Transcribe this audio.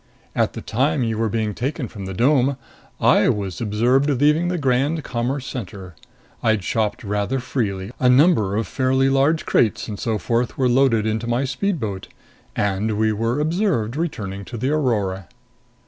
At the time you were being taken from the dome, I was observed leaving the Grand Commerce Center. I'd shopped rather freely; a number of fairly large crates and so forth were loaded into my speedboat. And we were observed returning to the Aurora."